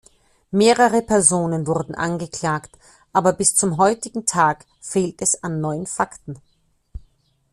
Mehrere Personen wurden angeklagt, aber bis zum heutigen Tag fehlt es an neuen Fakten.